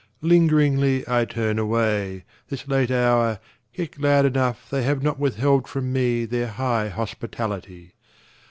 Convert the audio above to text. Lingeringly I turn away, This late hour, yet glad enough They have not withheld from me Their high hospitality.